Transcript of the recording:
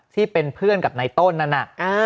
ที่เป็นเพื่อนกับในต้นนั้นน่ะ